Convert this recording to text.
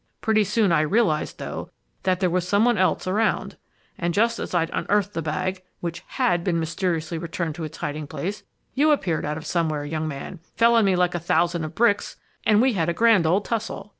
Pretty soon I realized, though, that there was some one else around. And just as I'd unearthed the bag, which had been mysteriously returned to its hiding place, you appeared out of somewhere, young man, fell on me like a thousand of bricks, and we had a grand old tussle.